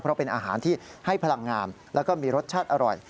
เพราะเป็นอาหารที่ให้พลังงามแล้วก็มีรสชาติอร่อย